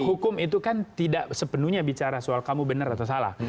hukum itu kan tidak sepenuhnya bicara soal kamu benar atau salah